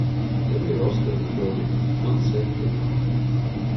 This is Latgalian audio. Jam ir ostoni godi, maņ septeni.